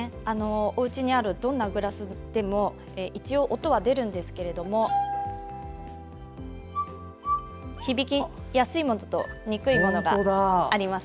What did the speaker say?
おうちにあるどんなグラスでも一応、音は出るんですけれども響きやすいものと響きにくいものがあります。